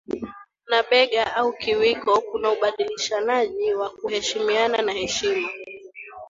na bega au kiwiko kuna ubadilishanaji wa kuheshimiana na heshima